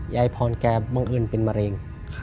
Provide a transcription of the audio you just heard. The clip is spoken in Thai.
ยายพรแกบังเอิญเป็นมะเร็ง